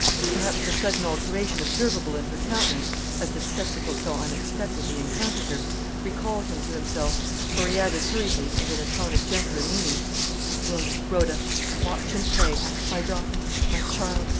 Perhaps the sudden alteration observable in her countenance, as this spectacle so unexpectedly encountered her, recalled him to himself; for he added, hurriedly, and in a tone of gentler meaning "Rhoda, Rhoda, watch and pray. My daughter, my child!